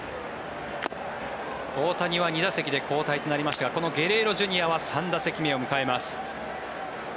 大谷は２打席で交代となりましたがこのゲレーロＪｒ．は３打席目を迎えます。